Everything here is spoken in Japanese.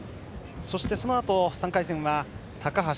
そして、そのあと３回戦は高橋瑠璃。